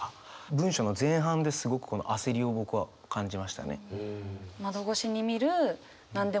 文章の前半ですごくこの焦りを僕は感じましたね。